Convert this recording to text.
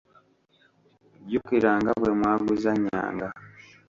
Jjukira nga bwe mwaguzannyanga.